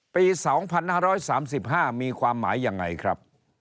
ปี๒๕๓๕มีความหมายยังไงครับ